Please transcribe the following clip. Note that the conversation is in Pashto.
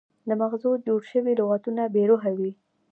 د مغزو جوړ شوي لغتونه بې روحه وي.